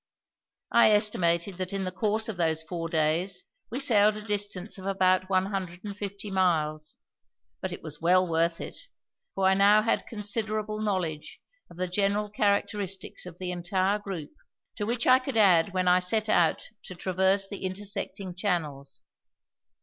I estimated that in the course of those four days we sailed a distance of about one hundred and fifty miles, but it was well worth it, for I now had considerable knowledge of the general characteristics of the entire group, to which I could add when I set out to traverse the intersecting channels.